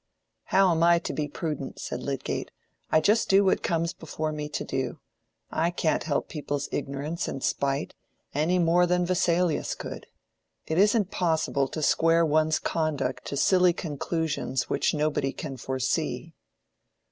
"How am I to be prudent?" said Lydgate, "I just do what comes before me to do. I can't help people's ignorance and spite, any more than Vesalius could. It isn't possible to square one's conduct to silly conclusions which nobody can foresee."